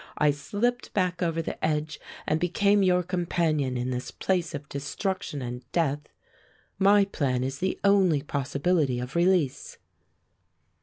I slipped back over the edge and became your com panion in this place of distruction and death. My plan is the only possibility of release."